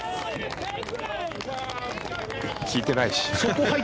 聞いてないし。